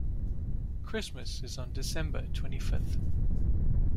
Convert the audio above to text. Christmas is on December twenty-fifth.